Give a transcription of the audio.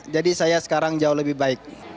jadi saya sekarang jauh lebih baik